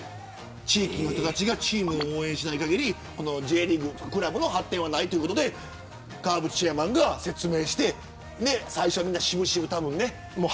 地域の人がチームを応援しない限りクラブの発展はないということで川淵チェアマンが説明して最初は、みんな渋々ね。